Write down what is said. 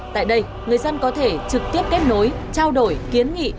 tại đây người dân có thể trực tiếp kết nối trao đổi kiến nghị